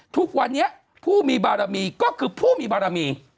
ทุกวันนี้ผู้มีบารมีก็คือผู้มีบารมี